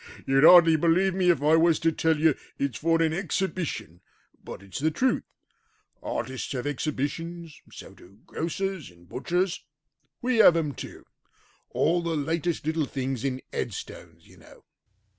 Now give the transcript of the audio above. "You'd hardly believe me if I was to tell you it's for an exhibition, but it's the truth. Artists have exhibitions: so do grocers and butchers; we have them too. All the latest little things in headstones, you know."